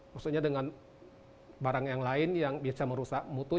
maksudnya dengan barang yang lain yang bisa merusak mutu